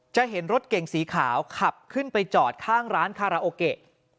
จะเห็นรถเก่งสีขาวขับขึ้นไปจอดข้างร้านคาราโอเกะ